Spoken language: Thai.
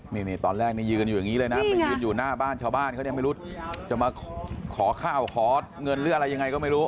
นี่ตอนแรกนี่ยืนอยู่อย่างนี้เลยนะไปยืนอยู่หน้าบ้านชาวบ้านเขายังไม่รู้จะมาขอข้าวขอเงินหรืออะไรยังไงก็ไม่รู้